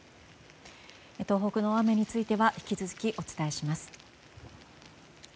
東北の大雨については引き続きお伝えします。